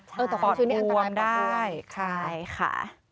ใช่แต่ความชื้นอันตรายประตูงใช่ค่ะ